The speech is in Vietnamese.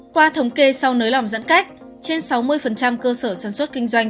qua thống kê sau nới lỏng giãn cách trên sáu mươi cơ sở sản xuất kinh doanh